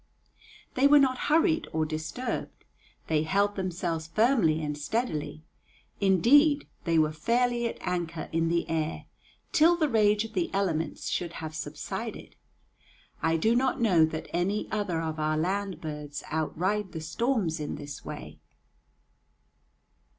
They were not hurried or disturbed; they held themselves firmly and steadily; indeed, they were fairly at anchor in the air till the rage of the elements should have subsided. I do not know that any other of our land birds outride the storms in this way.